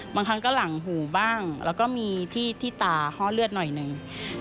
บางครั้งก็หลังหูบ้างแล้วก็มีที่ตาห้อเลือดหน่อยหนึ่ง